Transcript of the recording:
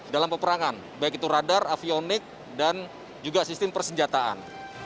dalam peperangan baik itu radar avionik dan juga sistem persenjataan